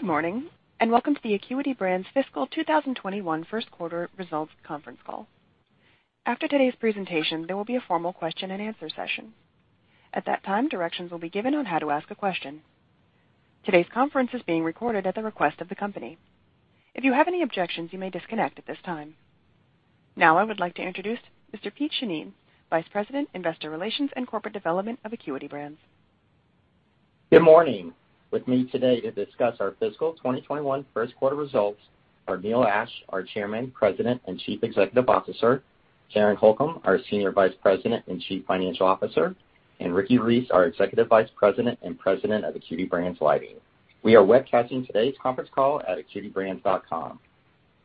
Good morning, and welcome to the Acuity Brands FY 2021 First Quarter Results Conference Call. After today's presentation, there will be a formal question and answer session. At that time, directions will be given on how to ask a question. Today's conference is being recorded at the request of the company. If you have any objections, you may disconnect at this time. Now I would like to introduce Mr. Pete Shannin, Vice President, Investor Relations and Corporate Development of Acuity Brands. Good morning. With me today to discuss our fiscal 2021 first quarter results are Neil Ashe, our Chairman, President, and Chief Executive Officer, Karen Holcom, our Senior Vice President and Chief Financial Officer, and Ricky Reece, our Executive Vice President and President of Acuity Brands Lighting. We are webcasting today's conference call at acuitybrands.com.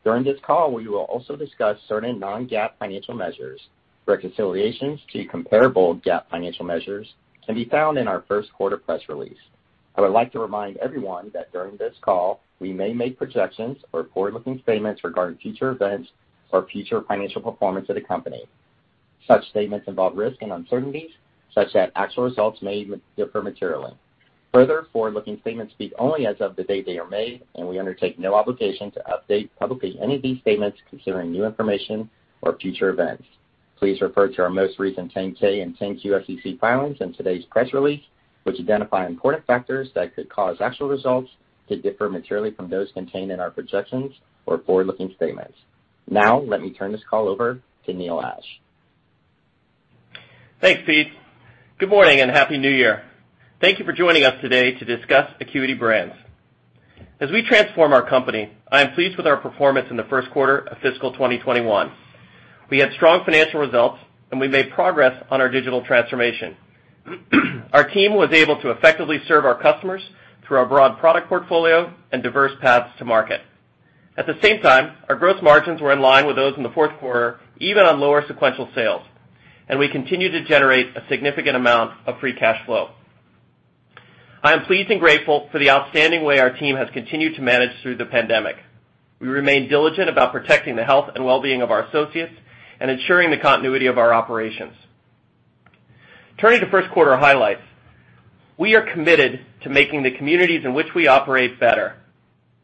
During this call, we will also discuss certain non-GAAP financial measures. Reconciliations to comparable GAAP financial measures can be found in our first quarter press release. I would like to remind everyone that during this call, we may make projections or forward-looking statements regarding future events or future financial performance of the company. Such statements involve risks and uncertainties such that actual results may differ materially. Further, forward-looking statements speak only as of the date they are made, and we undertake no obligation to update publicly any of these statements considering new information or future events. Please refer to our most recent 10-K and 10-Q SEC filings and today's press release, which identify important factors that could cause actual results to differ materially from those contained in our projections or forward-looking statements. Now, let me turn this call over to Neil Ashe. Thanks, Pete. Good morning, and happy New Year. Thank you for joining us today to discuss Acuity Brands. As we transform our company, I am pleased with our performance in the first quarter of fiscal 2021. We had strong financial results, and we made progress on our digital transformation. Our team was able to effectively serve our customers through our broad product portfolio and diverse paths to market. At the same time, our gross margins were in line with those in the fourth quarter, even on lower sequential sales, and we continue to generate a significant amount of free cash flow. I am pleased and grateful for the outstanding way our team has continued to manage through the pandemic. We remain diligent about protecting the health and well-being of our associates and ensuring the continuity of our operations. Turning to first quarter highlights. We are committed to making the communities in which we operate better.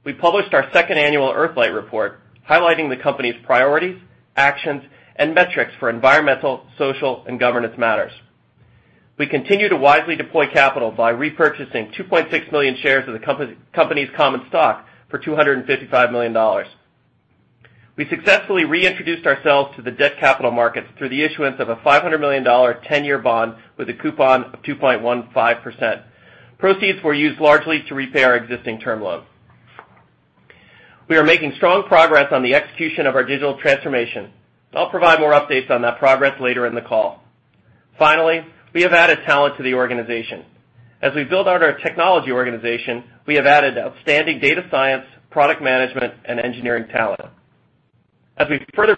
We published our second annual EarthLIGHT Report, highlighting the company's priorities, actions, and metrics for environmental, social, and governance matters. We continue to wisely deploy capital by repurchasing 2.6 million shares of the company's common stock for $255 million. We successfully reintroduced ourselves to the debt capital markets through the issuance of a $500 million 10-year bond with a coupon of 2.15%. Proceeds were used largely to repay our existing term loan. We are making strong progress on the execution of our Digital Transformation. I'll provide more updates on that progress later in the call. Finally, we have added talent to the organization. As we build out our technology organization, we have added outstanding data science, product management, and engineering talent. As we further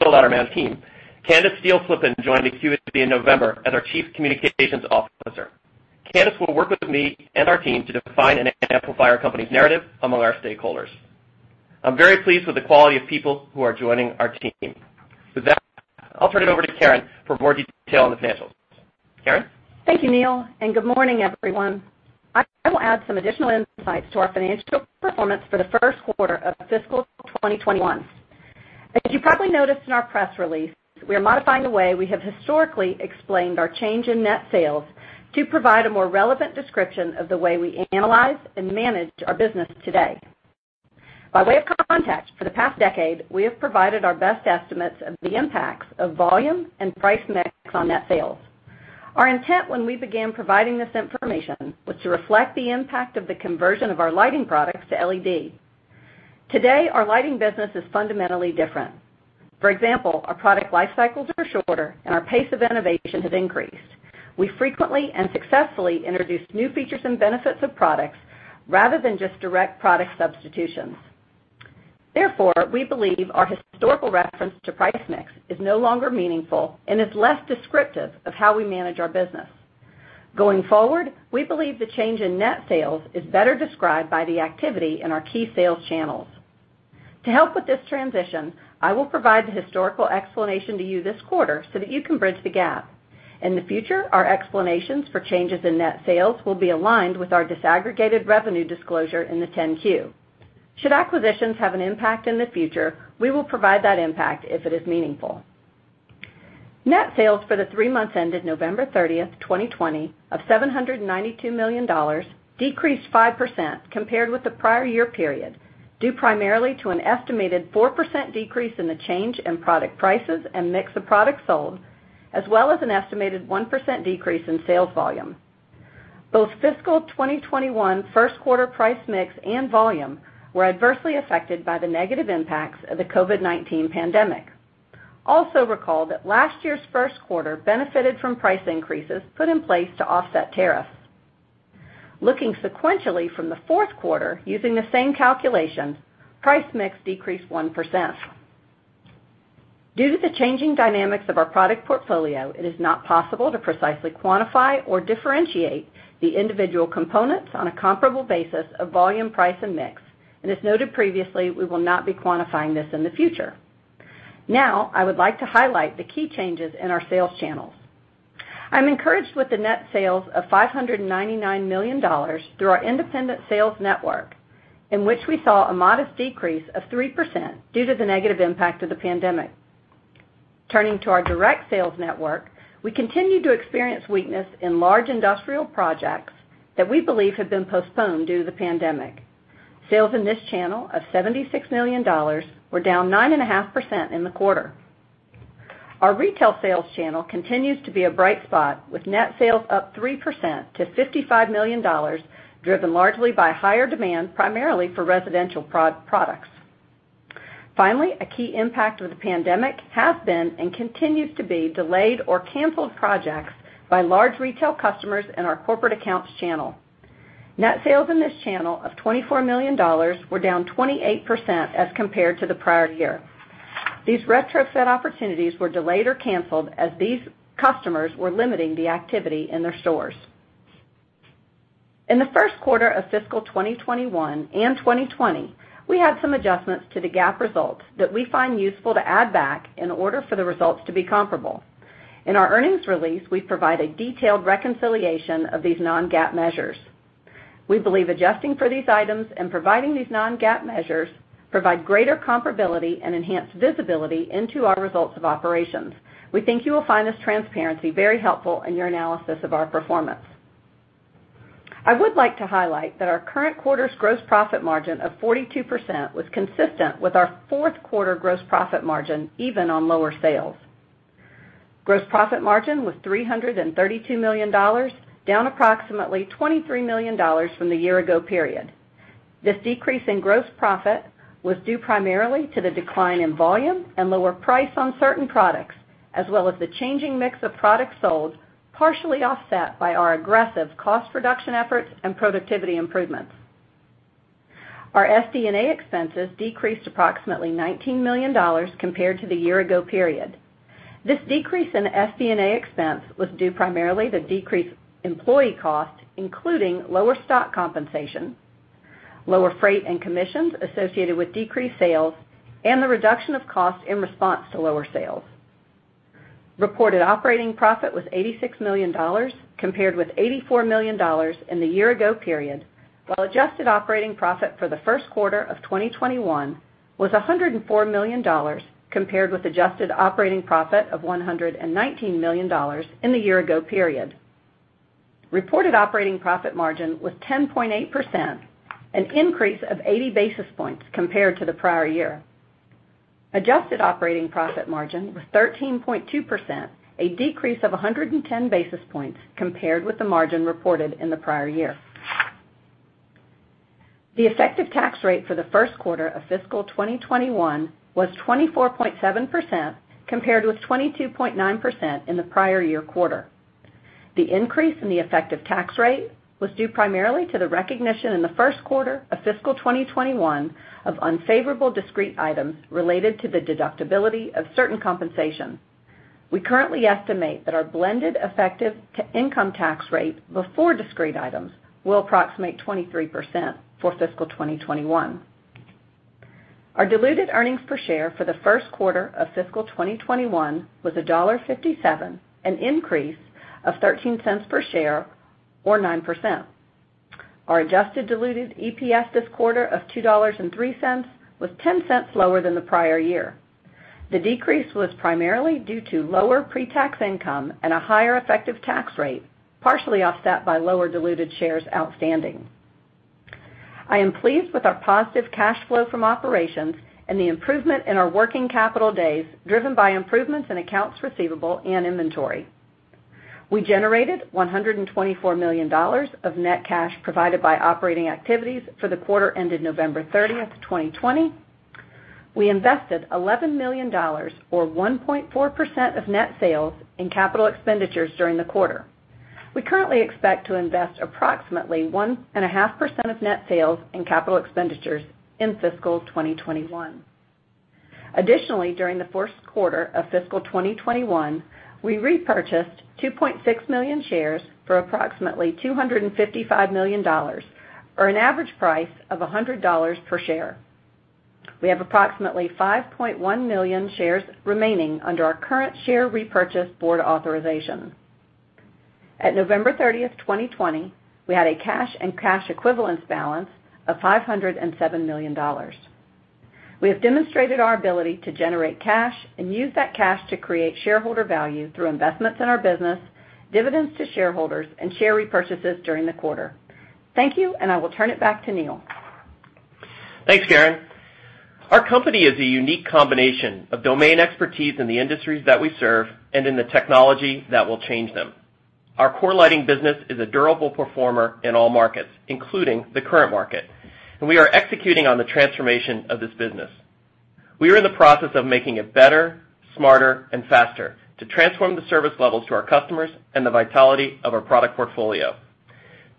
build out our team, Candace Steele Flippin joined Acuity Brands in November as our Chief Communications Officer. Candace will work with me and our team to define and amplify our company's narrative among our stakeholders. I'm very pleased with the quality of people who are joining our team. With that, I'll turn it over to Karen for more detail on the financials. Karen? Thank you, Neil, and good morning, everyone. I will add some additional insights to our financial performance for the first quarter of fiscal 2021. As you probably noticed in our press release, we are modifying the way we have historically explained our change in net sales to provide a more relevant description of the way we analyze and manage our business today. By way of context, for the past decade, we have provided our best estimates of the impacts of volume and price mix on net sales. Our intent when we began providing this information was to reflect the impact of the conversion of our lighting products to LED. Today, our lighting business is fundamentally different. For example, our product life cycles are shorter, and our pace of innovation has increased. We frequently and successfully introduce new features and benefits of products rather than just direct product substitutions. Therefore, we believe our historical reference to price mix is no longer meaningful and is less descriptive of how we manage our business. Going forward, we believe the change in net sales is better described by the activity in our key sales channels. To help with this transition, I will provide the historical explanation to you this quarter so that you can bridge the gap. In the future, our explanations for changes in net sales will be aligned with our disaggregated revenue disclosure in the 10-Q. Should acquisitions have an impact in the future, we will provide that impact if it is meaningful. Net sales for the three months ended November 30th, 2020, of $792 million decreased 5% compared with the prior year period, due primarily to an estimated 4% decrease in the change in product prices and mix of products sold, as well as an estimated 1% decrease in sales volume. Both FY 2021 first quarter price mix and volume were adversely affected by the negative impacts of the COVID-19 pandemic. Also recall that last year's first quarter benefited from price increases put in place to offset tariffs. Looking sequentially from the fourth quarter using the same calculation, price mix decreased 1%. Due to the changing dynamics of our product portfolio, it is not possible to precisely quantify or differentiate the individual components on a comparable basis of volume, price, and mix. As noted previously, we will not be quantifying this in the future. I would like to highlight the key changes in our sales channels. I'm encouraged with the net sales of $599 million through our independent sales network, in which we saw a modest decrease of 3% due to the negative impact of the pandemic. Turning to our direct sales network, we continue to experience weakness in large industrial projects that we believe have been postponed due to the pandemic. Sales in this channel of $76 million were down 9.5% in the quarter. Our retail sales channel continues to be a bright spot, with net sales up 3% to $55 million, driven largely by higher demand, primarily for residential products. A key impact of the pandemic has been, and continues to be, delayed or canceled projects by large retail customers in our corporate accounts channel. Net sales in this channel of $24 million were down 28% as compared to the prior year. These retrofit opportunities were delayed or canceled as these customers were limiting the activity in their stores. In the first quarter of FY 2021 and FY 2020, we had some adjustments to the GAAP results that we find useful to add back in order for the results to be comparable. In our earnings release, we provide a detailed reconciliation of these non-GAAP measures. We believe adjusting for these items and providing these non-GAAP measures provide greater comparability and enhance visibility into our results of operations. We think you will find this transparency very helpful in your analysis of our performance. I would like to highlight that our current quarter's gross profit margin of 42% was consistent with our fourth quarter gross profit margin, even on lower sales. Gross profit margin was $332 million, down approximately $23 million from the year-ago period. This decrease in gross profit was due primarily to the decline in volume and lower price on certain products, as well as the changing mix of products sold, partially offset by our aggressive cost reduction efforts and productivity improvements. Our SG&A expenses decreased approximately $19 million compared to the year-ago period. This decrease in SG&A expense was due primarily to decreased employee costs, including lower stock compensation, lower freight and commissions associated with decreased sales, and the reduction of costs in response to lower sales. Reported operating profit was $86 million, compared with $84 million in the year-ago period, while adjusted operating profit for the first quarter of 2021 was $104 million, compared with adjusted operating profit of $119 million in the year-ago period. Reported operating profit margin was 10.8%, an increase of 80 basis points compared to the prior year. Adjusted operating profit margin was 13.2%, a decrease of 110 basis points compared with the margin reported in the prior year. The effective tax rate for the first quarter of FY 2021 was 24.7%, compared with 22.9% in the prior year quarter. The increase in the effective tax rate was due primarily to the recognition in the first quarter of FY 2021 of unfavorable discrete items related to the deductibility of certain compensation. We currently estimate that our blended effective to income tax rate before discrete items will approximate 23% for FY 2021. Our diluted earnings per share for the first quarter of FY 2021 was $1.57, an increase of $0.13 per share or 9%. Our adjusted diluted EPS this quarter of $2.03 was $0.10 lower than the prior year. The decrease was primarily due to lower pre-tax income and a higher effective tax rate, partially offset by lower diluted shares outstanding. I am pleased with our positive cash flow from operations and the improvement in our working capital days, driven by improvements in accounts receivable and inventory. We generated $124 million of net cash provided by operating activities for the quarter ended November 30th, 2020. We invested $11 million, or 1.4% of net sales, in capital expenditures during the quarter. We currently expect to invest approximately 1.5% of net sales in capital expenditures in FY 2021. Additionally, during the first quarter of FY 2021, we repurchased 2.6 million shares for approximately $255 million, or an average price of $100 per share. We have approximately 5.1 million shares remaining under our current share repurchase board authorization. At November 30th, 2020, we had a cash and cash equivalents balance of $507 million. We have demonstrated our ability to generate cash and use that cash to create shareholder value through investments in our business, dividends to shareholders, and share repurchases during the quarter. Thank you, and I will turn it back to Neil. Thanks, Karen. Our company is a unique combination of domain expertise in the industries that we serve and in the technology that will change them. Our core lighting business is a durable performer in all markets, including the current market, and we are executing on the transformation of this business. We are in the process of making it "Better. Smarter. Faster" to transform the service levels to our customers and the vitality of our product portfolio.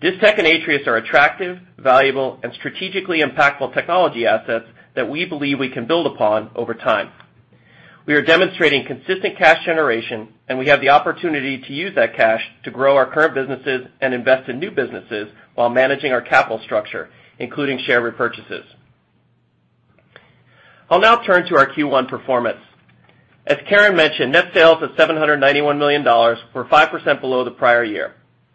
Distech and Atrius are attractive, valuable, and strategically impactful technology assets that we believe we can build upon over time. We are demonstrating consistent cash generation, and we have the opportunity to use that cash to grow our current businesses and invest in new businesses while managing our capital structure, including share repurchases. I'll now turn to our Q1 performance. As Karen mentioned, net sales of $791 million were 5% below the prior year.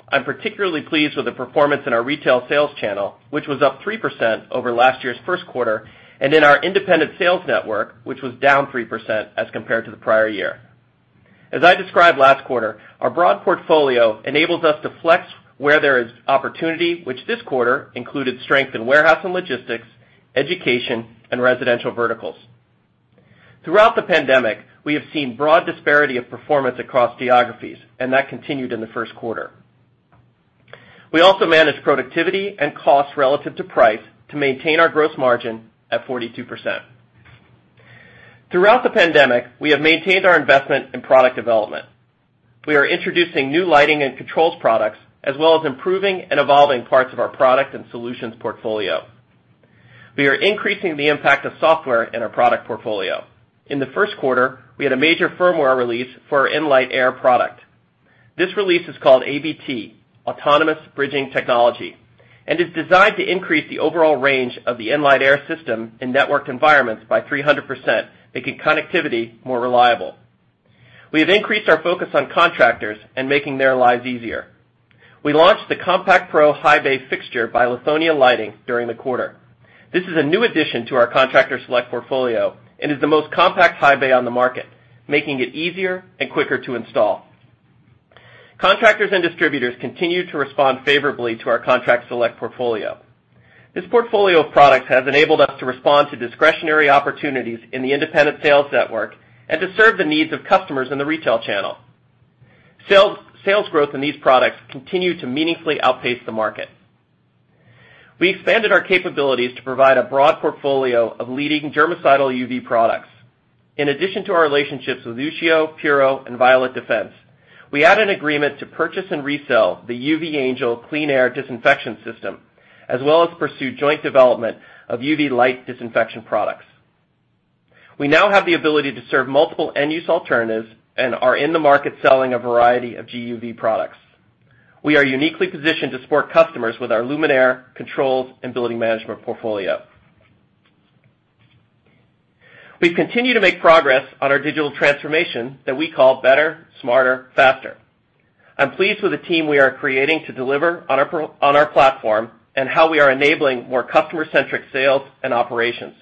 I'm particularly pleased with the performance in our retail sales channel, which was up 3% over last year's first quarter, and in our independent sales network, which was down 3% as compared to the prior year. As I described last quarter, our broad portfolio enables us to flex where there is opportunity, which this quarter included strength in warehouse and logistics, education, and residential verticals. Throughout the pandemic, we have seen broad disparity of performance across geographies, and that continued in the first quarter. We also managed productivity and costs relative to price to maintain our gross margin at 42%. Throughout the pandemic, we have maintained our investment in product development. We are introducing new lighting and controls products, as well as improving and evolving parts of our product and solutions portfolio. We are increasing the impact of software in our product portfolio. In the first quarter, we had a major firmware release for our nLight® AIR product. This release is called ABT, Autonomous Bridging Technology, and is designed to increase the overall range of the nLight® AIR system in networked environments by 300%, making connectivity more reliable. We have increased our focus on contractors and making their lives easier. We launched the Compact Pro™ High Bay fixture by Lithonia Lighting during the quarter. This is a new addition to our Contractor Select portfolio and is the most compact high bay on the market, making it easier and quicker to install. Contractors and distributors continue to respond favorably to our Contractor Select portfolio. This portfolio of products has enabled us to respond to discretionary opportunities in the independent sales network and to serve the needs of customers in the retail channel. Sales growth in these products continue to meaningfully outpace the market. We expanded our capabilities to provide a broad portfolio of leading germicidal UV products. In addition to our relationships with Ushio, PURO, and Violet Defense, we add an agreement to purchase and resell the UV Angel clean air disinfection system, as well as pursue joint development of UV light disinfection products. We now have the ability to serve multiple end-use alternatives and are in the market selling a variety of GUV products. We are uniquely positioned to support customers with our luminaire, controls, and building management portfolio. We've continued to make progress on our digital transformation that we call "Better. Smarter. Faster.". I'm pleased with the team we are creating to deliver on our platform, and how we are enabling more customer-centric sales and operations.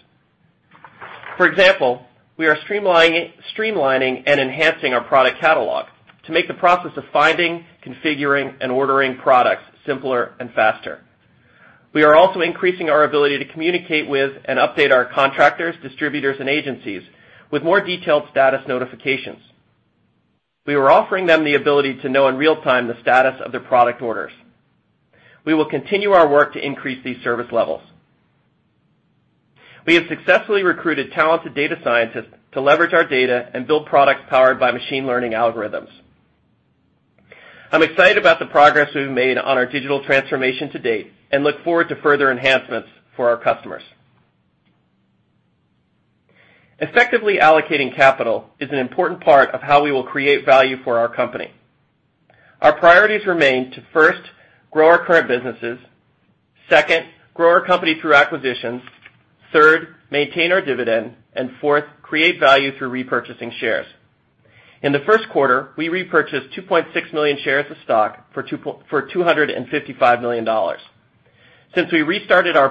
For example, we are streamlining and enhancing our product catalog to make the process of finding, configuring, and ordering products simpler and faster. We are also increasing our ability to communicate with and update our contractors, distributors, and agencies with more detailed status notifications. We are offering them the ability to know in real time the status of their product orders. We will continue our work to increase these service levels. We have successfully recruited talented data scientists to leverage our data and build products powered by machine learning algorithms. I'm excited about the progress we've made on our digital transformation to date and look forward to further enhancements for our customers. Effectively allocating capital is an important part of how we will create value for our company. Our priorities remain to, first, grow our current businesses. Second, grow our company through acquisitions. Third, maintain our dividend. Fourth, create value through repurchasing shares. In the first quarter, we repurchased 2.6 million shares of stock for $255 million. Since we restarted our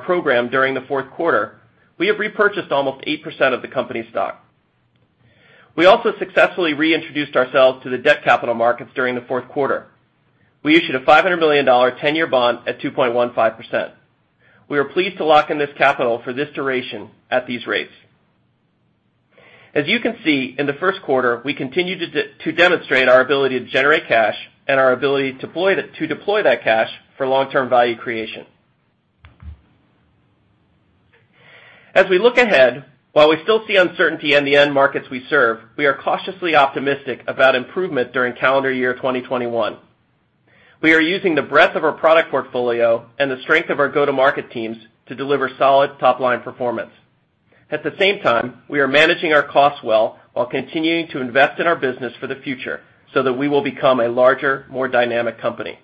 program during the fourth quarter, we have repurchased almost 8% of the company's stock. We also successfully reintroduced ourselves to the debt capital markets during the fourth quarter. We issued a $500 million 10-year bond at 2.15%. We are pleased to lock in this capital for this duration at these rates. As you can see, in the first quarter, we continued to demonstrate our ability to generate cash and our ability to deploy that cash for long-term value creation. As we look ahead, while we still see uncertainty in the end markets we serve, we are cautiously optimistic about improvement during calendar year 2021. We are using the breadth of our product portfolio and the strength of our go-to-market teams to deliver solid top-line performance. At the same time, we are managing our costs well while continuing to invest in our business for the future so that we will become a larger, more dynamic company.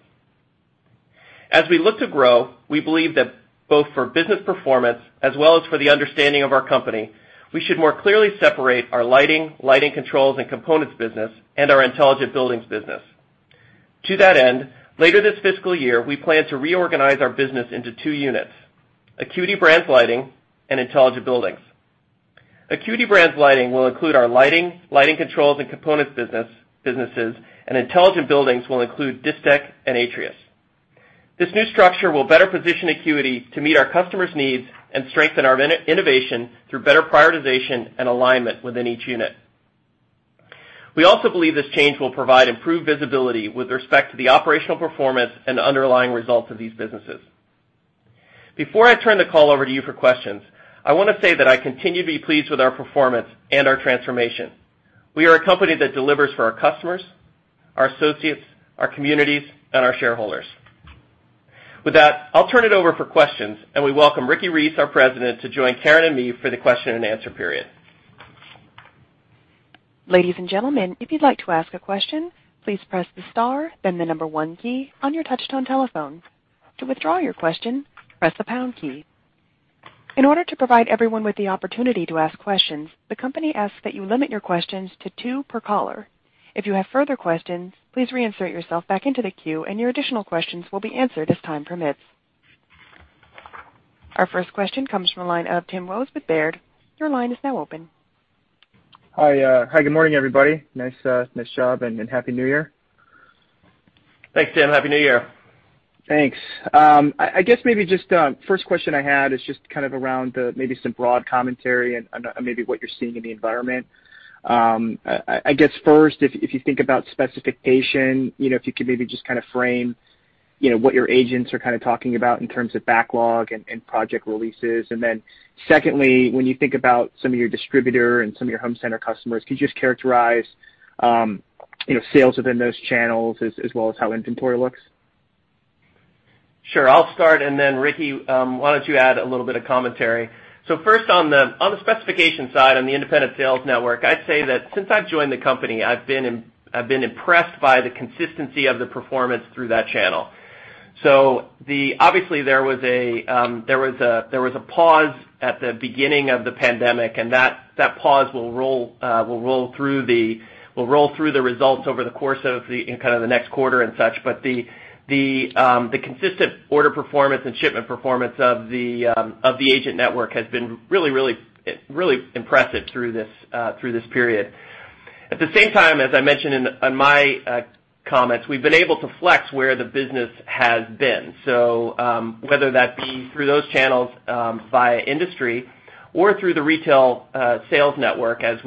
As we look to grow, we believe that both for business performance as well as for the understanding of our company, we should more clearly separate our lighting controls, and components business, and our intelligent buildings business. To that end, later this fiscal year, we plan to reorganize our business into two units, Acuity Brands Lighting and Intelligent Buildings. Acuity Brands Lighting will include our lighting controls, and components businesses, and Intelligent Buildings will include Distech and Atrius. This new structure will better position Acuity to meet our customers' needs and strengthen our innovation through better prioritization and alignment within each unit. We also believe this change will provide improved visibility with respect to the operational performance and underlying results of these businesses. Before I turn the call over to you for questions, I want to say that I continue to be pleased with our performance and our transformation. We are a company that delivers for our customers, our associates, our communities, and our shareholders. I'll turn it over for questions, and we welcome Ricky Reece, our President, to join Karen and me for the question and answer period. Ladies and gentlemen if you would like to ask a question please press the star and then the number one key in your touchtone telephone, to withdraw your question press the pound key. In order to provide everyone with the opportunity to ask a question, the company asks you to limit your question with two per caller. If you have further questions, please re-insert yourself back into the queue and your additional question will be answered if time permits. Our first question comes from the line of Timothy Wojs with Baird. Your line is now open. Hi. Good morning, everybody. Nice job, and happy New Year. Thanks, Tim. Happy New Year. Thanks. I guess maybe just first question I had is just kind of around maybe some broad commentary on maybe what you're seeing in the environment. I guess first, if you think about specification, if you could maybe just kind of frame what your agents are kind of talking about in terms of backlog and project releases. Secondly, when you think about some of your distributor and some of your home center customers, could you just characterize sales within those channels as well as how inventory looks? Sure. I'll start. Ricky, why don't you add a little bit of commentary. First on the specification side, on the independent sales network, I'd say that since I've joined the company, I've been impressed by the consistency of the performance through that channel. Obviously there was a pause at the beginning of the pandemic, and that pause will roll through the results over the course of kind of the next quarter and such. The consistent order performance and shipment performance of the agent network has been really impressive through this period. At the same time, as I mentioned in my comments, we've been able to flex where the business has been. Whether that be through those channels via industry or through the retail sales network as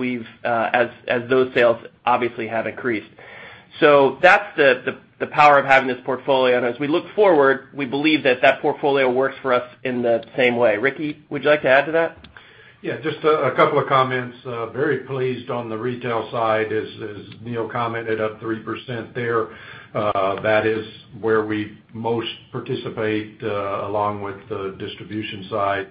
those sales obviously have increased. That's the power of having this portfolio, and as we look forward, we believe that that portfolio works for us in the same way. Ricky, would you like to add to that? Yeah, just a couple of comments. Very pleased on the retail side, as Neil commented, up 3% there. That is where we most participate, along with the distribution side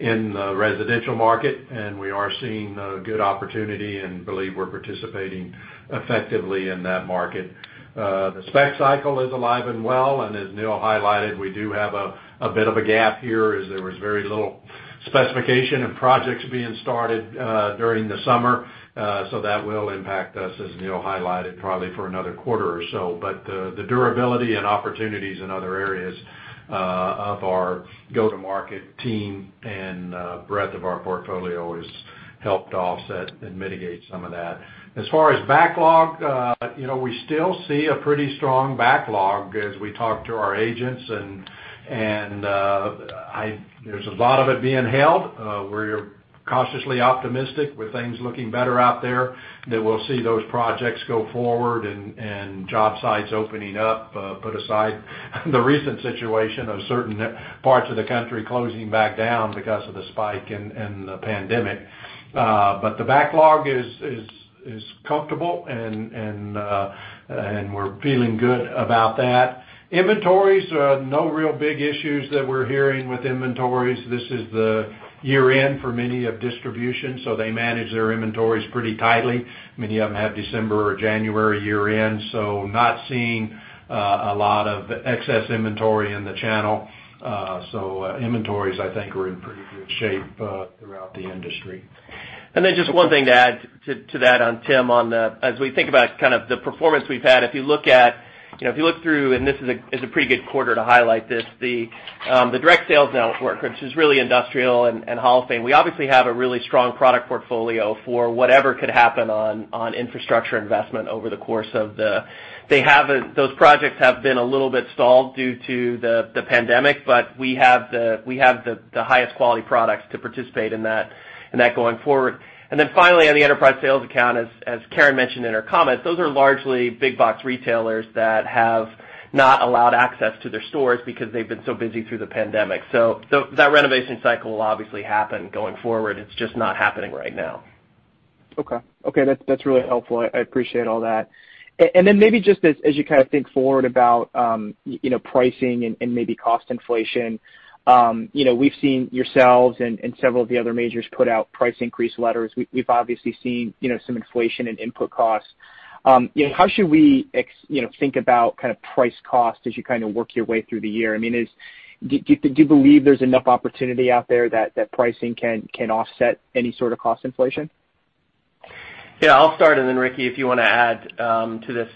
in the residential market, and we are seeing good opportunity and believe we're participating effectively in that market. The spec cycle is alive and well, and as Neil highlighted, we do have a bit of a gap here as there was very little specification and projects being started during the summer. That will impact us, as Neil highlighted, probably for another quarter or so. The durability and opportunities in other areas of our go-to-market team and breadth of our portfolio has helped offset and mitigate some of that. As far as backlog, we still see a pretty strong backlog as we talk to our agents, and there's a lot of it being held. We're cautiously optimistic with things looking better out there that we'll see those projects go forward and job sites opening up. Put aside the recent situation of certain parts of the country closing back down because of the spike in the pandemic. The backlog is comfortable, and we're feeling good about that. Inventories, no real big issues that we're hearing with inventories. This is the year-end for many of distribution, so they manage their inventories pretty tightly. Many of them have December or January year-end, so not seeing a lot of excess inventory in the channel. Inventories, I think, are in pretty good shape throughout the industry. Then just one thing to add to that on Tim, as we think about kind of the performance we've had, if you look through, and this is a pretty good quarter to highlight this, the direct sales network, which is really industrial and Holophane, we obviously have a really strong product portfolio for whatever could happen on infrastructure investment. Those projects have been a little bit stalled due to the pandemic, but we have the highest quality products to participate in that going forward. Then finally, on the enterprise sales account, as Karen mentioned in her comments, those are largely big box retailers that have not allowed access to their stores because they've been so busy through the pandemic. That renovation cycle will obviously happen going forward. It's just not happening right now. Okay. That's really helpful. I appreciate all that. Maybe just as you kind of think forward about pricing and maybe cost inflation, we've seen yourselves and several of the other majors put out price increase letters. We've obviously seen some inflation in input costs. How should we think about kind of price cost as you kind of work your way through the year? I mean, do you believe there's enough opportunity out there that pricing can offset any sort of cost inflation? Yeah, I'll start, and then Ricky, if you want to add to this.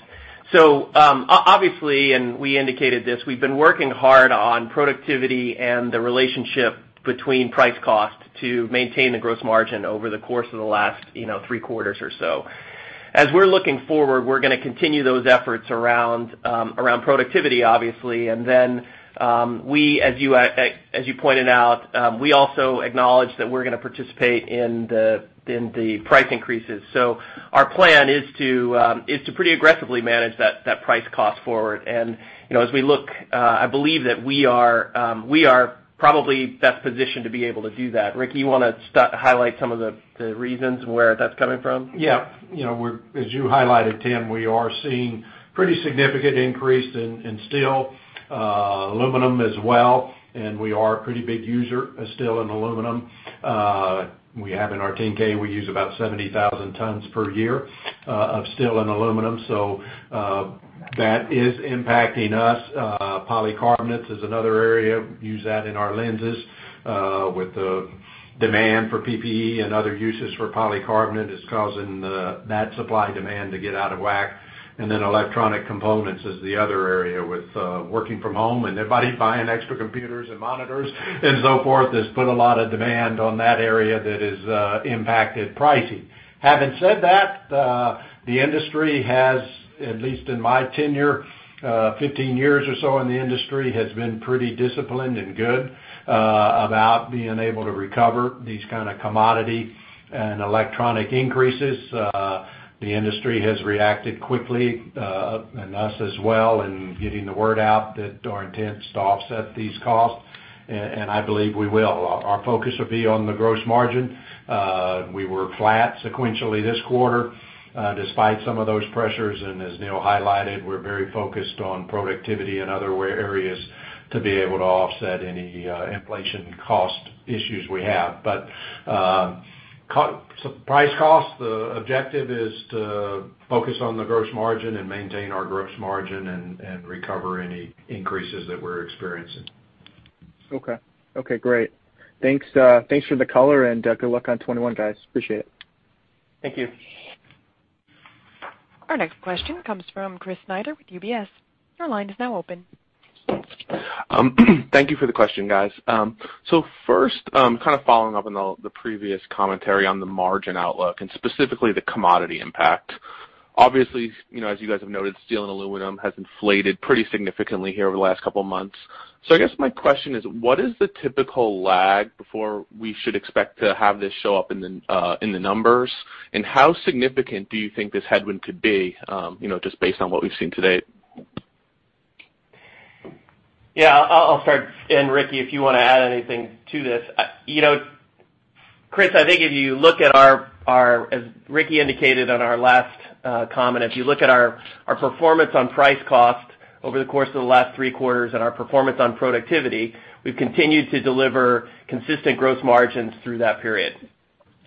Obviously, and we indicated this, we've been working hard on productivity and the relationship between price cost to maintain the gross margin over the course of the last three quarters or so. As we're looking forward, we're going to continue those efforts around productivity, obviously, and then we, as you pointed out, we also acknowledge that we're going to participate in the price increases. Our plan is to pretty aggressively manage that price cost forward. As we look, I believe that we are probably best positioned to be able to do that. Ricky, you want to highlight some of the reasons where that's coming from? As you highlighted, Tim, we are seeing pretty significant increase in steel, aluminum as well, and we are a pretty big user of steel and aluminum. We have in our 10-K, we use about 70,000 tons per year of steel and aluminum. That is impacting us. Polycarbonates is another area. We use that in our lenses with the demand for PPE and other uses for polycarbonate is causing that supply-demand to get out of whack. Electronic components is the other area with working from home and everybody buying extra computers and monitors and so forth has put a lot of demand on that area that has impacted pricing. Having said that, the industry has, at least in my tenure, 15 years or so in the industry, has been pretty disciplined and good about being able to recover these kind of commodity and electronic increases. The industry has reacted quickly, and us as well in getting the word out that our intent is to offset these costs, and I believe we will. Our focus will be on the gross margin. We were flat sequentially this quarter despite some of those pressures, and as Neil highlighted, we're very focused on productivity in other areas to be able to offset any inflation cost issues we have. Price cost, the objective is to focus on the gross margin and maintain our gross margin and recover any increases that we're experiencing. Okay. Okay, great. Thanks for the color, and good luck on 2021, guys. Appreciate it. Thank you. Our next question comes from Chris Snyder with UBS. Your line is now open. Thank you for the question, guys. First, kind of following up on the previous commentary on the margin outlook and specifically the commodity impact. Obviously, as you guys have noted, steel and aluminum has inflated pretty significantly here over the last couple of months. I guess my question is, what is the typical lag before we should expect to have this show up in the numbers, and how significant do you think this headwind could be just based on what we've seen to date? Yeah, I'll start, and Ricky, if you want to add anything to this. Chris, I think if you look at our, as Ricky indicated on our last comment, if you look at our performance on price cost over the course of the last three quarters and our performance on productivity, we've continued to deliver consistent gross margins through that period.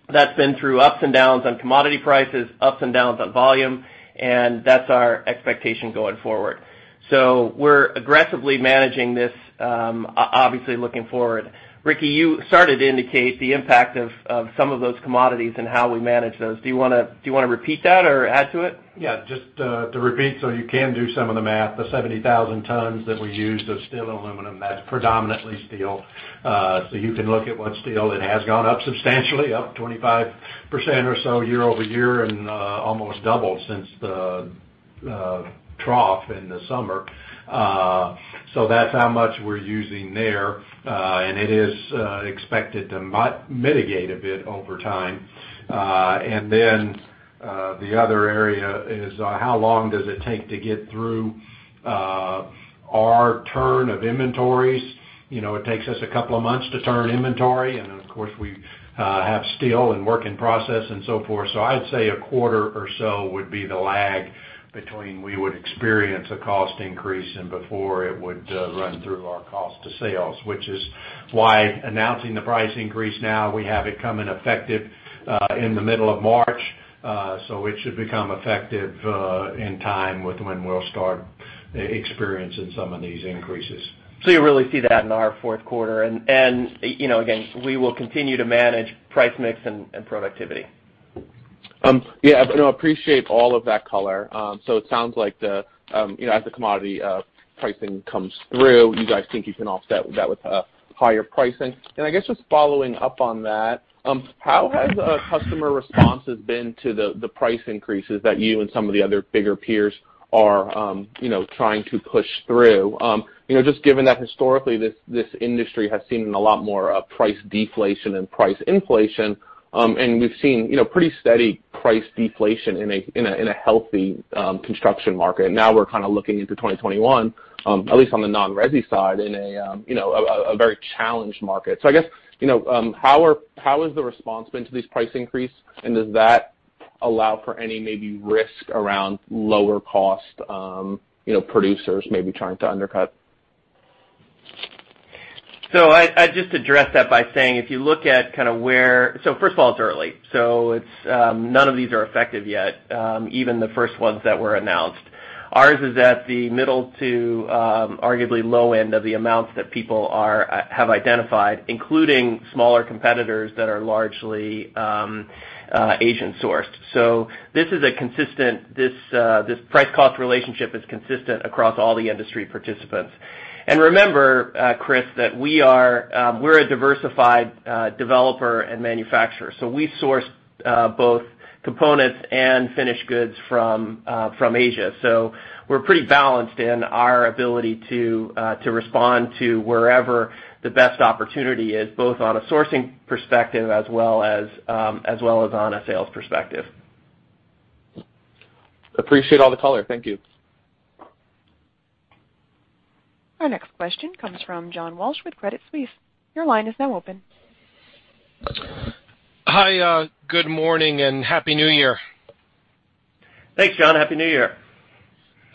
That's been through ups and downs on commodity prices, ups and downs on volume, and that's our expectation going forward. We're aggressively managing this, obviously looking forward. Ricky, you started to indicate the impact of some of those commodities and how we manage those. Do you want to repeat that or add to it? Yeah, just to repeat so you can do some of the math. The 70,000 tons that we use of steel and aluminum, that's predominantly steel. You can look at what steel, it has gone up substantially, up 25% or so year-over-year and almost double since the trough in the summer. That's how much we're using there, and it is expected to mitigate a bit over time. The other area is how long does it take to get through our turn of inventories. It takes us a couple of months to turn inventory, and then, of course, we have steel and work in process and so forth. I'd say a quarter or so would be the lag between we would experience a cost increase and before it would run through our cost to sales, which is why announcing the price increase now, we have it come in effective in the middle of March. It should become effective in time with when we'll start experiencing some of these increases. You'll really see that in our fourth quarter. Again, we will continue to manage price mix and productivity. Yeah, no, appreciate all of that color. It sounds like as the commodity pricing comes through, you guys think you can offset that with higher pricing. I guess just following up on that, how has customer responses been to the price increases that you and some of the other bigger peers are trying to push through? Given that historically, this industry has seen a lot more price deflation than price inflation, and we've seen pretty steady price deflation in a healthy construction market. Now we're kind of looking into 2021, at least on the non-resi side, in a very challenged market. I guess, how has the response been to these price increase, and does that allow for any maybe risk around lower cost producers maybe trying to undercut? I'd just address that by saying, first of all, it's early. None of these are effective yet, even the first ones that were announced. Ours is at the middle to arguably low end of the amounts that people have identified, including smaller competitors that are largely Asian-sourced. This price cost relationship is consistent across all the industry participants. Remember, Chris, that we're a diversified developer and manufacturer, so we source both components and finished goods from Asia. We're pretty balanced in our ability to respond to wherever the best opportunity is, both on a sourcing perspective as well as on a sales perspective. Appreciate all the color. Thank you. Our next question comes from John Walsh with Credit Suisse. Your line is now open. Hi, good morning and happy New Year. Thanks, John. Happy New Year.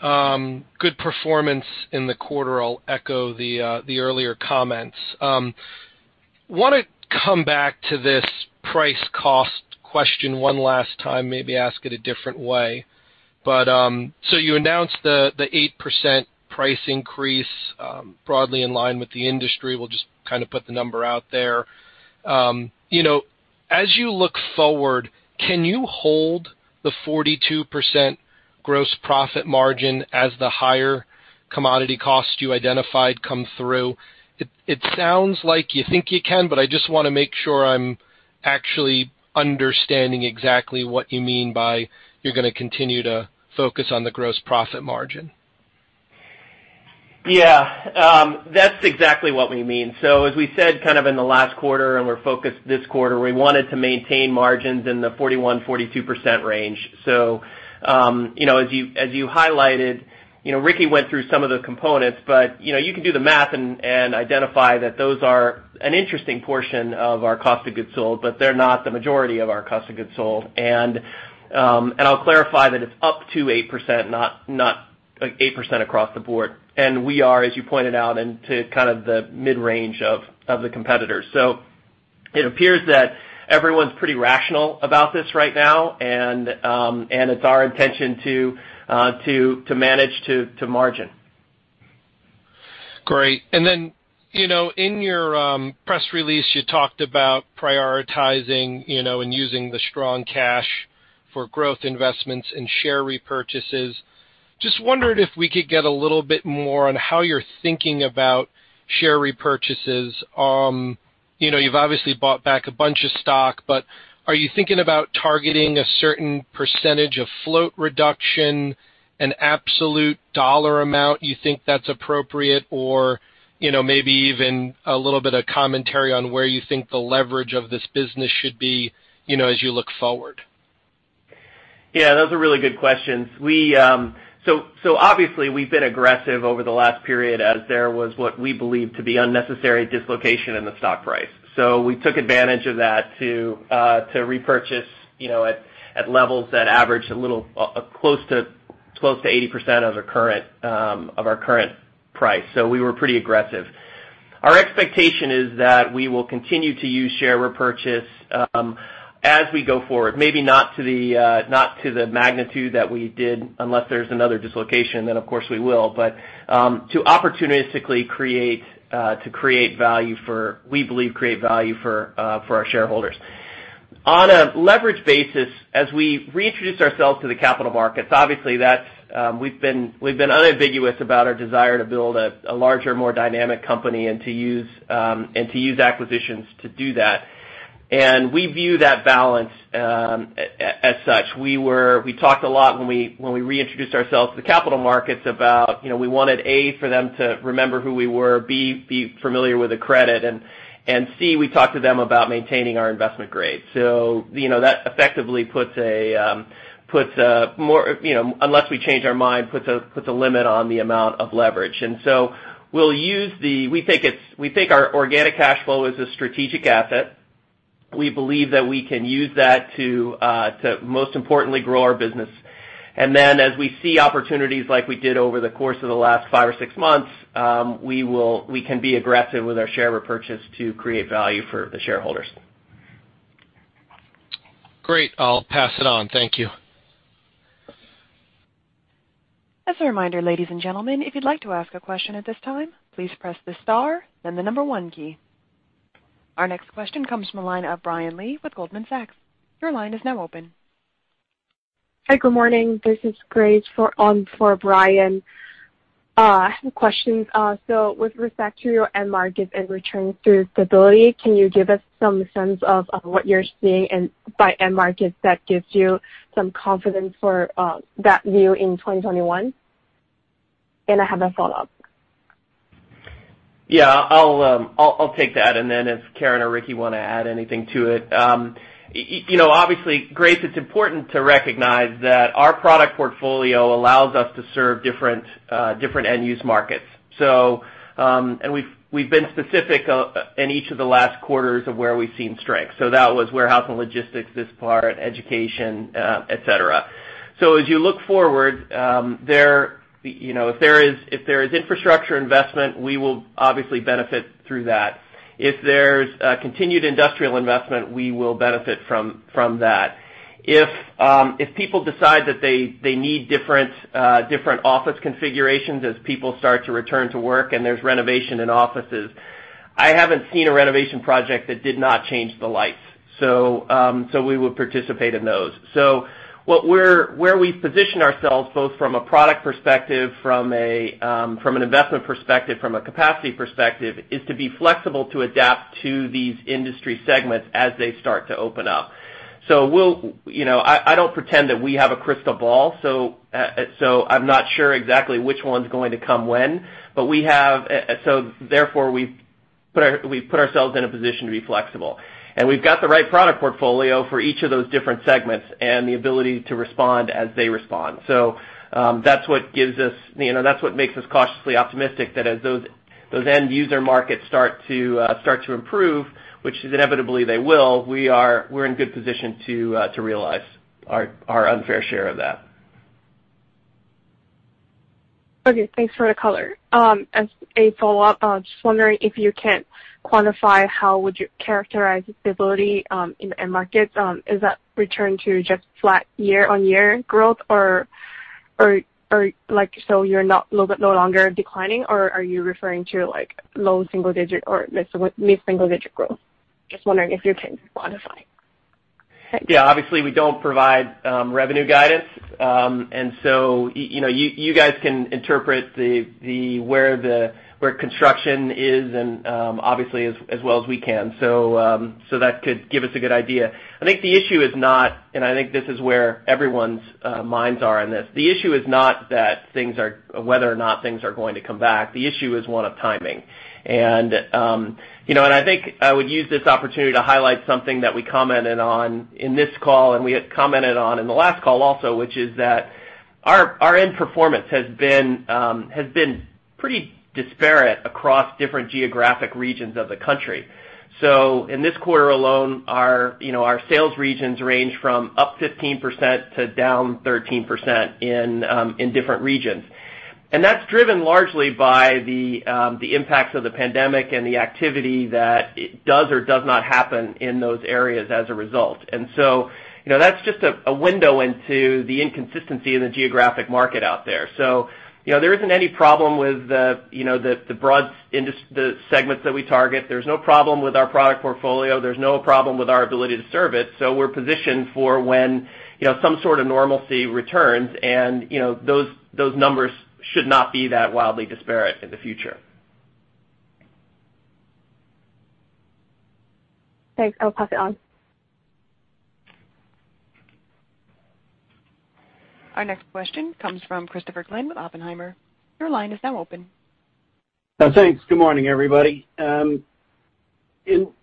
Good performance in the quarter. I'll echo the earlier comments. I want to come back to this price cost question one last time, maybe ask it a different way. You announced the 8% price increase, broadly in line with the industry. We'll just put the number out there. As you look forward, can you hold the 42% gross profit margin as the higher commodity costs you identified come through? It sounds like you think you can, but I just want to make sure I'm actually understanding exactly what you mean by you're going to continue to focus on the gross profit margin. Yeah. That's exactly what we mean. As we said in the last quarter, and we're focused this quarter, we wanted to maintain margins in the 41%-42% range. As you highlighted, Ricky went through some of the components. You can do the math and identify that those are an interesting portion of our cost of goods sold, but they're not the majority of our cost of goods sold. I'll clarify that it's up to 8%, not 8% across the board. We are, as you pointed out, into the mid-range of the competitors. It appears that everyone's pretty rational about this right now, and it's our intention to manage to margin. Great. In your press release, you talked about prioritizing and using the strong cash for growth investments and share repurchases. Just wondered if we could get a little bit more on how you're thinking about share repurchases. You've obviously bought back a bunch of stock, but are you thinking about targeting a certain % of float reduction, an absolute dollar amount you think that's appropriate? Maybe even a little bit of commentary on where you think the leverage of this business should be as you look forward. Yeah, those are really good questions. Obviously, we've been aggressive over the last period as there was what we believe to be unnecessary dislocation in the stock price. We took advantage of that to repurchase at levels that average close to 80% of our current price. We were pretty aggressive. Our expectation is that we will continue to use share repurchase as we go forward, maybe not to the magnitude that we did, unless there's another dislocation, then of course we will. To opportunistically, we believe, create value for our shareholders. On a leverage basis, as we reintroduce ourselves to the capital markets, obviously we've been unambiguous about our desire to build a larger, more dynamic company and to use acquisitions to do that. We view that balance as such. We talked a lot when we reintroduced ourselves to the capital markets about we wanted, A, for them to remember who we were, B, be familiar with the credit, and C, we talked to them about maintaining our investment grade. That effectively puts a more, unless we change our mind, puts a limit on the amount of leverage. We think our organic cash flow is a strategic asset. We believe that we can use that to most importantly grow our business. Then as we see opportunities like we did over the course of the last five or six months, we can be aggressive with our share repurchase to create value for the shareholders. Great. I'll pass it on. Thank you. As a reminder, ladies and gentlemen, if you'd like to ask a question at this time, please press the star, then the number one key. Our next question comes from the line of Brian Lee with Goldman Sachs. Your line is now open. Hi, good morning. This is Grace for Brian. I have questions. With respect to your end markets and return to stability, can you give us some sense of what you're seeing by end markets that gives you some confidence for that view in 2021? I have a follow-up. Yeah, I'll take that, and then if Karen or Ricky want to add anything to it. Obviously, Grace, it's important to recognize that our product portfolio allows us to serve different end-use markets. We've been specific in each of the last quarters of where we've seen strength. That was warehouse and logistics, this part, education, et cetera. As you look forward, if there is infrastructure investment, we will obviously benefit through that. If there's continued industrial investment, we will benefit from that. If people decide that they need different office configurations as people start to return to work and there's renovation in offices, I haven't seen a renovation project that did not change the lights. We would participate in those. Where we position ourselves, both from a product perspective, from an investment perspective, from a capacity perspective, is to be flexible to adapt to these industry segments as they start to open up. I don't pretend that we have a crystal ball, so I'm not sure exactly which one's going to come when. Therefore, we've put ourselves in a position to be flexible. We've got the right product portfolio for each of those different segments and the ability to respond as they respond. That's what makes us cautiously optimistic that as those end user markets start to improve, which inevitably they will, we're in good position to realize our unfair share of that. Okay, thanks for the color. As a follow-up, just wondering if you can quantify how would you characterize stability in the end markets? Is that return to just flat year-on-year growth or so you're no longer declining or are you referring to low single digit or mid-single digit growth? Just wondering if you can quantify. Yeah, obviously we don't provide revenue guidance. You guys can interpret where construction is and obviously as well as we can. That could give us a good idea. I think the issue is not, and I think this is where everyone's minds are in this. The issue is not that whether or not things are going to come back, the issue is one of timing. I think I would use this opportunity to highlight something that we commented on in this call, and we had commented on in the last call also, which is that our end performance has been pretty disparate across different geographic regions of the country. In this quarter alone, our sales regions range from up 15% to down 13% in different regions. That's driven largely by the impacts of the pandemic and the activity that it does or does not happen in those areas as a result. That's just a window into the inconsistency in the geographic market out there. There isn't any problem with the broad segments that we target. There's no problem with our product portfolio. There's no problem with our ability to serve it. We're positioned for when some sort of normalcy returns and those numbers should not be that wildly disparate in the future. Thanks. I will pass it on. Our next question comes from Christopher Glynn with Oppenheimer. Your line is now open. Thanks. Good morning, everybody.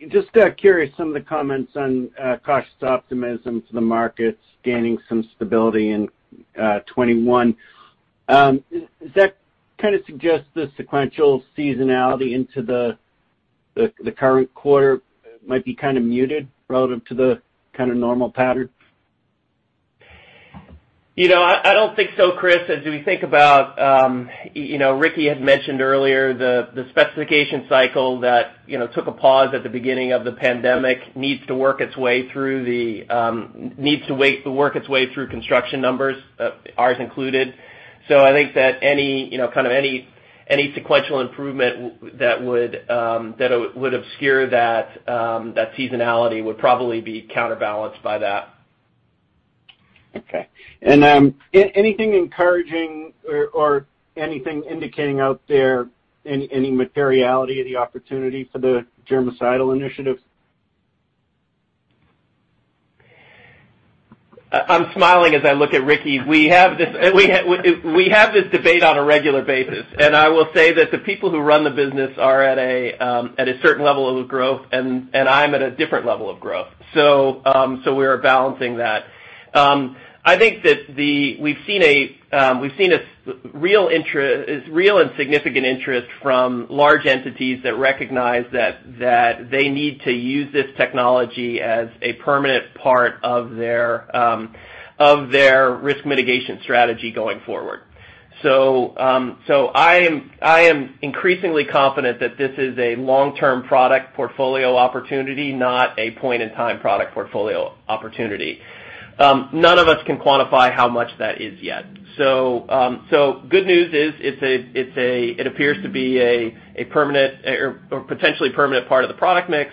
Just curious, some of the comments on cautious optimism to the markets gaining some stability in 2021. Does that kind of suggest the sequential seasonality into the current quarter might be kind of muted relative to the kind of normal pattern? I don't think so, Chris. As we think about, Ricky had mentioned earlier the specification cycle that took a pause at the beginning of the pandemic, needs to work its way through construction numbers, ours included. I think that any sequential improvement that would obscure that seasonality would probably be counterbalanced by that. Okay. Anything encouraging or anything indicating out there any materiality of the opportunity for the germicidal initiative? I'm smiling as I look at Ricky. We have this debate on a regular basis, and I will say that the people who run the business are at a certain level of growth, and I'm at a different level of growth. We are balancing that. I think that we've seen a real and significant interest from large entities that recognize that they need to use this technology as a permanent part of their risk mitigation strategy going forward. I am increasingly confident that this is a long-term product portfolio opportunity, not a point-in-time product portfolio opportunity. None of us can quantify how much that is yet. Good news is it appears to be a permanent or potentially permanent part of the product mix.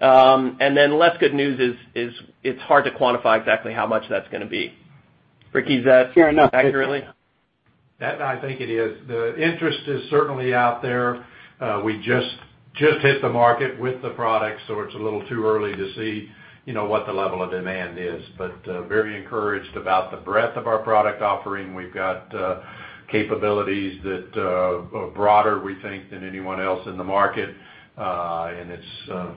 Less good news is, it's hard to quantify exactly how much that's going to be. Ricky, is that? Fair enough. Accurately? That I think it is. The interest is certainly out there. We just hit the market with the product, so it's a little too early to see what the level of demand is, but very encouraged about the breadth of our product offering. We've got capabilities that are broader, we think, than anyone else in the market. It's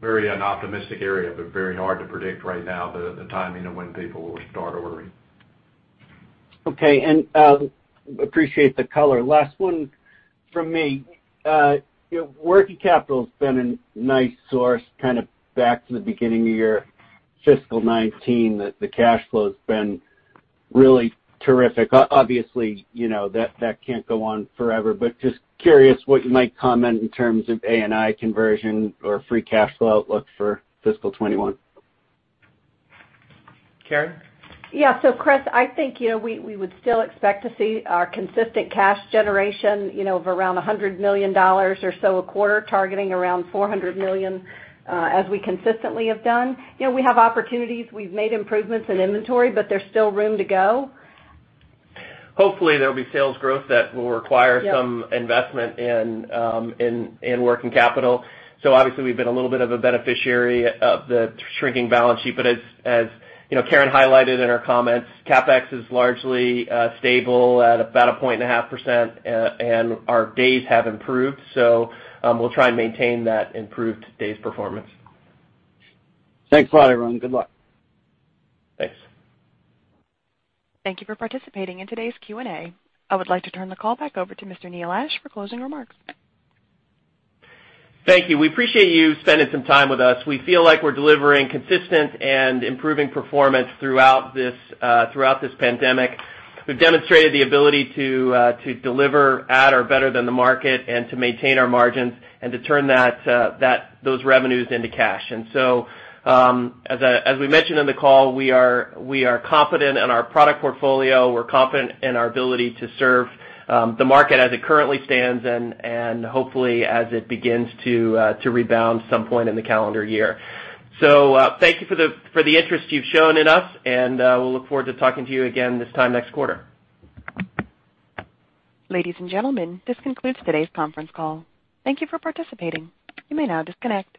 very an optimistic area, but very hard to predict right now the timing of when people will start ordering. Okay. Appreciate the color. Last one from me. Working capital's been a nice source back to the beginning of year fiscal 2019 that the cash flow has been really terrific. Obviously, that can't go on forever, but just curious what you might comment in terms of A&I conversion or free cash flow outlook for FY 2021. Karen? Chris, I think we would still expect to see our consistent cash generation of around $100 million or so a quarter, targeting around $400 million, as we consistently have done. We have opportunities. We've made improvements in inventory, but there's still room to go. Hopefully, there'll be sales growth that will require. Yep Investment in working capital. Obviously we've been a little bit of a beneficiary of the shrinking balance sheet, but as Karen highlighted in her comments, CapEx is largely stable at about 1.5%, and our days have improved. We'll try and maintain that improved days performance. Thanks a lot, everyone. Good luck. Thanks. Thank you for participating in today's Q&A. I would like to turn the call back over to Mr. Neil Ashe for closing remarks. Thank you. We appreciate you spending some time with us. We feel like we're delivering consistent and improving performance throughout this pandemic. We've demonstrated the ability to deliver at or better than the market and to maintain our margins and to turn those revenues into cash. As we mentioned in the call, we are confident in our product portfolio. We're confident in our ability to serve the market as it currently stands and hopefully as it begins to rebound some point in the calendar year. Thank you for the interest you've shown in us, and we'll look forward to talking to you again this time next quarter. Ladies and gentlemen, this concludes today's conference call. Thank you for participating. You may now disconnect.